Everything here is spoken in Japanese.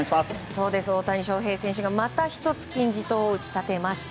大谷翔平選手が、また１つ金字塔を打ち立てました。